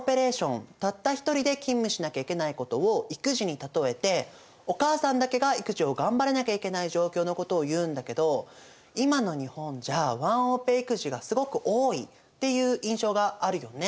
たった１人で勤務しなきゃいけないことを育児に例えてお母さんだけが育児を頑張らなきゃいけない状況のことをいうんだけど今の日本じゃワンオペ育児がすごく多いっていう印象があるよね。